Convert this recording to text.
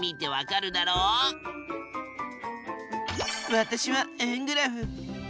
わたしは円グラフ。